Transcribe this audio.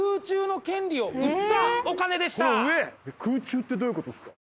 空中ってどういうことっすか？